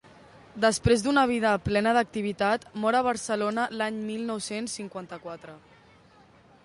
Després d'una vida plena d'activitat, mor a Barcelona l'any mil nou-cents cinquanta-quatre.